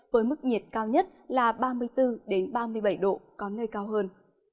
với mức nhiệt cao nhất là ba mươi bốn ba mươi bảy độ có nơi cao hơn